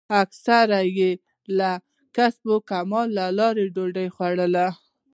اکثرو یې له کسب او کمال لارې ډوډۍ خوړله.